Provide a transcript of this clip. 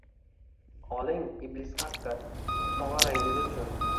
Oling, iblis haqqi, tog`arangiz uchun